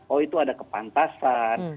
oh itu ada kepantasan